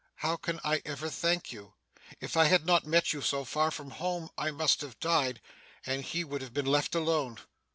How can I ever thank you? If I had not met you so far from home, I must have died, and he would have been left alone.